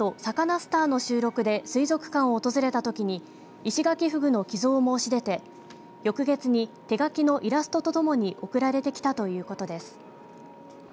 スターの収録で水族館を訪れたときにイシガキフグの寄贈を申し出て翌月に手描きのイラストとともに贈られてきたということです。